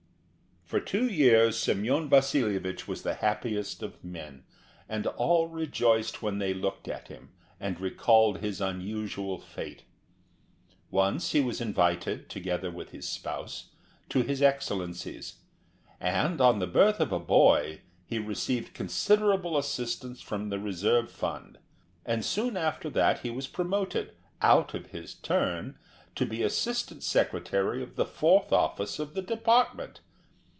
For two years Semyon Vasilyevich was the happiest of men, and all rejoiced when they looked at him, and recalled his unusual fate. Once he was invited, together with his spouse, to his Excellency's; and on the birth of a boy he received considerable assistance from the reserve fund, and soon after that he was promoted, out of his turn, to be assistant secretary of the fourth office of the department.